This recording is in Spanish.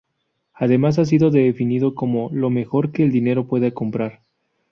Además ha sido definido como "Lo mejor que el dinero puede comprar".